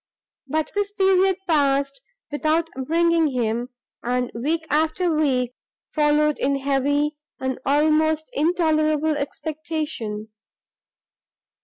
But this period passed without bringing him; and week after week followed in heavy and almost intolerable expectation.